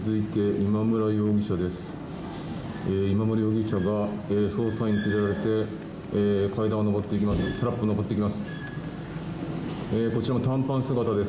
今村容疑者が捜査員に連れられて階段を上っていきます。